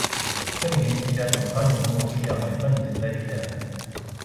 いかに原始的であっても、単に本能的ではない、単に全体的ではない。